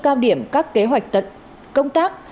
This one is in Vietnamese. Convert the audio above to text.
cao điểm các kế hoạch tật công tác